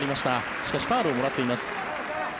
しかしファウルをもらっています。